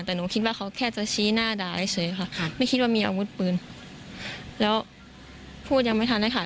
แต่หนูคิดว่าเขาแค่จะชี้หน้าด่าเฉยค่ะไม่คิดว่ามีอาวุธปืนแล้วพูดยังไม่ทันได้ค่ะ